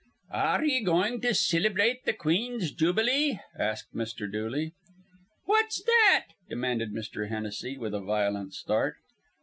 "Ar re ye goin' to cillybrate th' queen's jubilee?" asked Mr. Dooley. "What's that?" demanded Mr. Hennessy, with a violent start.